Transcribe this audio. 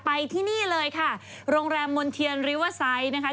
ไปที่นี่เลยค่ะโรงแรมมณ์เทียนริเวอร์ไซต์นะคะ